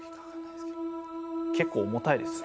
結構重たいですね。